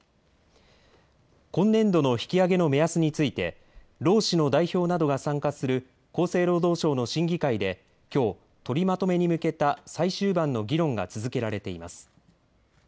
今年度の引き上げの目安について労使の代表などが参加する厚生労働省の審議会できょう取りまとめに向けた最終盤の議論が続けられています。